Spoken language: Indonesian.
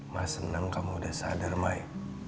mak senang kamu udah sadar mai